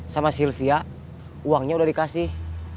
sama sylvia uangnya udah dikasih